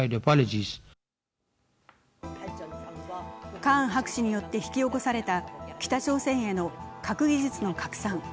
カーン博士によって引き起こされた北朝鮮への核技術の拡散。